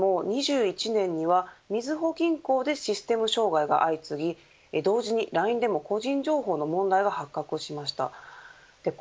そんな中でも２１年にはみずほ銀行でシステム障害が相次ぎ同時にＬＩＮＥでも個人情報の問題が発覚しました。